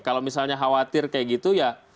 kalau misalnya khawatir kayak gitu ya